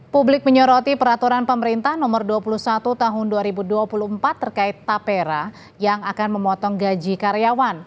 publik menyoroti peraturan pemerintah nomor dua puluh satu tahun dua ribu dua puluh empat terkait tapera yang akan memotong gaji karyawan